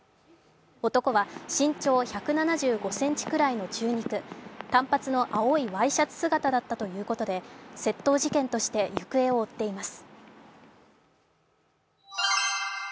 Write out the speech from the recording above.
男は身長１７５ｃｍくらいの中肉、短髪の青いワイシャツ姿だったということで、窃盗事件として行方を追っています。